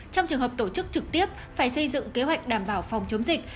trong trường hợp tổ chức trực tiếp phải xây dựng kế hoạch đảm bảo phòng chống dịch